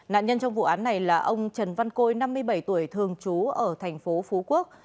nạn nhân trong vụ án này là ông trần văn côi năm mươi bảy tuổi thường trú ở thành phố phú quốc